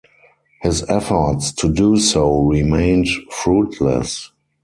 His efforts to do so remained fruitless.